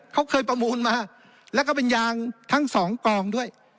เขาเคยประมูลมาแล้วก็เป็นยางทั้งสองกองด้วย